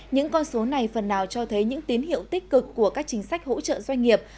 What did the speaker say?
những con số này phần nào cho thấy những tín hiệu tích cực của các chính sách hỗ trợ doanh nghiệp